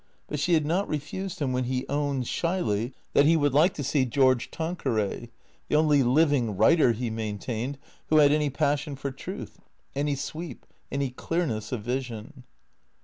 But she had not refused him when he owned, shyly, that he would like to see George Tanqueray, the only living writer, he maintained, who had any passion for truth, any sweep, any clearness of vision.